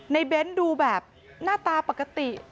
เบ้นดูแบบหน้าตาปกติ